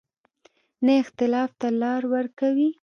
نه اختلاف ته لار ورکوي.